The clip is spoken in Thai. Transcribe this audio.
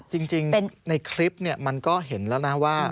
จริงในคลิปมันก็เห็นแล้วนะว่า